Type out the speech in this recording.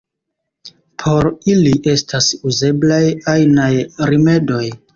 Por ili estas uzeblaj ajnaj rimedoj.